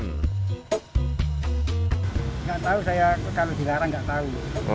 tidak tahu saya kalau dilarang nggak tahu